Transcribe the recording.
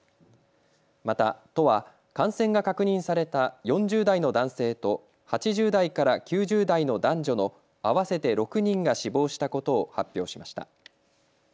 また都は感染が確認された４０代の男性と８０代から９０代の男女の合わせて６人が死亡したことを発表しました。